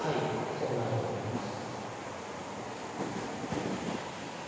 そうなると思います。